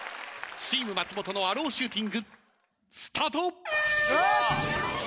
チーム松本のアローシューティング。